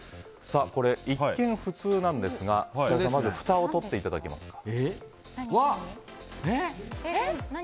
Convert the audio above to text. これ一見、普通なんですがまず、フタを取っていただけますか。